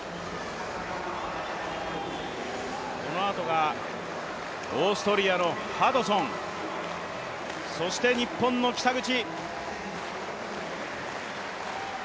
このあとがオーストリアのハドソン、そして日本の北口。